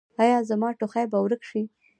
ایا زما ټوخی به ورک شي؟